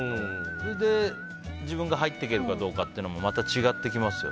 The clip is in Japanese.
それで自分が入っていけるかどうかはまた違ってきますよね。